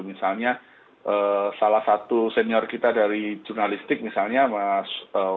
misalnya salah satu senior kita dari jurnalistik misalnya mas